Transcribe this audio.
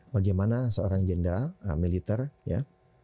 bagaimana seorang jenderal militer ya